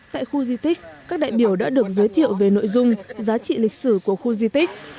tại khu di tích các đại biểu đã được giới thiệu về nội dung giá trị lịch sử của khu di tích